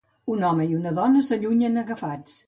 Un home i una dona s'allunyen agafats.